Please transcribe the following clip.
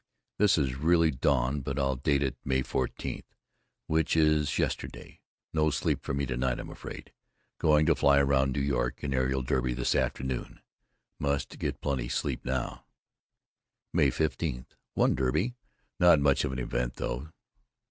This is really dawn but I'll date it May 14, which is yesterday. No sleep for me to night, I'm afraid. Going to fly around NY in aerial derby this afternoon. Must get plenty sleep now. May 15: Won derby, not much of an event though.